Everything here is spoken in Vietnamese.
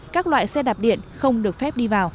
các loại xe đạp điện không được phép đi vào